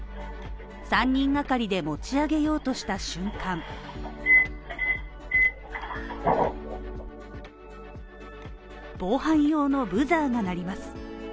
３人がかりで持ち上げようとした瞬間防犯用のブザーが鳴ります。